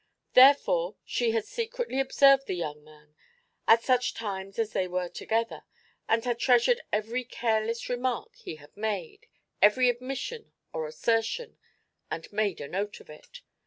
Therefore she had secretly observed the young man, at such times as they were together, and had treasured every careless remark he had made every admission or assertion and made a note of it.